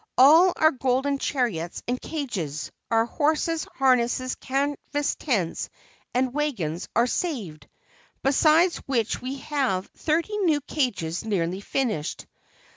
All our golden chariots and cages, our horses, harness, canvas tents and wagons are saved, besides which we have thirty new cages nearly finished.